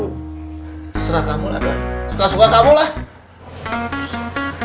suka suka kamu lah